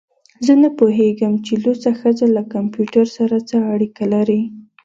زه نه پوهیږم چې لوڅه ښځه له کمپیوټر سره څه اړیکه لري